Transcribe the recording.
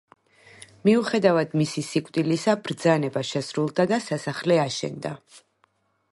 მიუხედავად მისი სიკვდილისა, ბრძანება შესრულდა და სასახლე აშენდა.